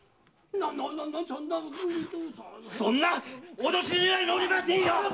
そんな脅しにはのりませんよ！